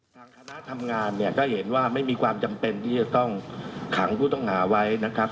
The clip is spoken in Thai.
ทางคณะทำงานเนี่ยก็เห็นว่าไม่มีความจำเป็นที่จะต้องขังผู้ต้องหาไว้นะครับ